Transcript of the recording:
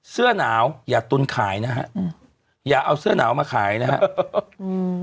เสื้อหนาวอย่าตุนขายนะฮะอืมอย่าเอาเสื้อหนาวมาขายนะฮะอืม